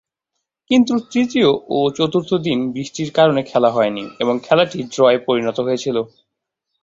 কিন্তু, তৃতীয় ও চতুর্থ দিন বৃষ্টির কারণে খেলা হয়নি এবং খেলাটি ড্রয়ে পরিণত হয়েছিল।